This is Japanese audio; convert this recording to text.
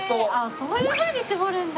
そういうふうに絞るんだ。